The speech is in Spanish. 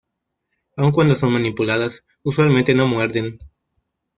Aun cuando son manipuladas usualmente no muerden.